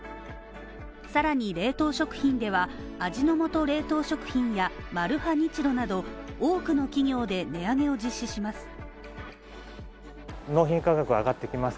さらに冷凍食品では、味の素冷凍食品やマルハニチロなど多くの企業で値上げを実施します。